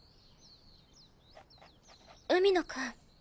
海野くん。